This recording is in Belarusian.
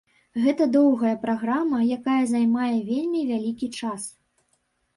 Гэта доўгая праграма, якая займае вельмі вялікі час.